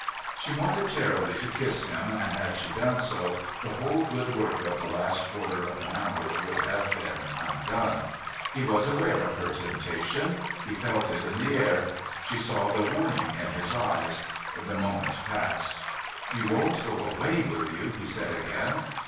She wanted terribly to kiss him, and, had she done so, the whole good work of the last quarter of an hour would have been undone. He was aware of her temptation; he felt it in the air. She saw the warning in his eyes. The moment passed. "You won't go away, will you?" he said again.